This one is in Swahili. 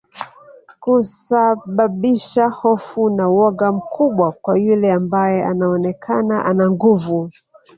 Kusababisha hofu na woga mkubwa kwa yule ambae anaonekana ana nguvu